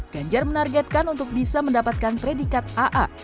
ganjar menargetkan untuk bisa mendapatkan predikat aa